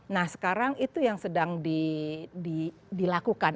nah sekarang itu yang sedang dilakukan